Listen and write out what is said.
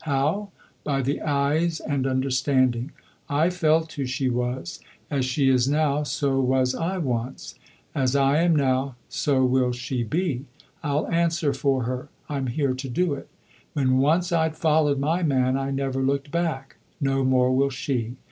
How? By the eyes and understanding. I felt who she was. As she is now so was I once. As I am now so will she be. I'll answer for her; I'm here to do it. When once I'd followed my man I never looked back; no more will she.